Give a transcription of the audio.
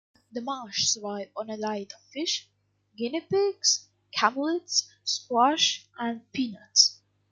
The Moche survived on a diet of fish, guinea pigs, camelids, squash, and peanuts.